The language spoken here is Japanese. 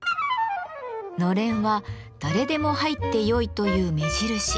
のれんは誰でも入ってよいという目印。